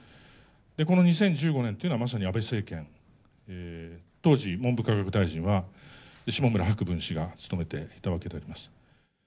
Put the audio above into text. この２０１５年というのは、まさに安倍政権、当時、文部科学大臣は、下村博文氏が務めてたわけであります。